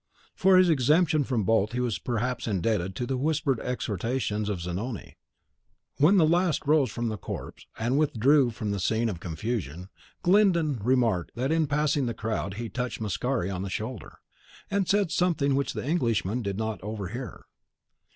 For his exemption from both he was perhaps indebted to the whispered exhortations of Zanoni. When the last rose from the corpse, and withdrew from that scene of confusion, Glyndon remarked that in passing the crowd he touched Mascari on the shoulder, and said something which the Englishman did not overhear.